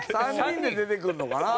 ３人で出てくるのかな？